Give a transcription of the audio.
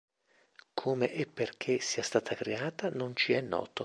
Come e perché sia stata creata non ci è noto.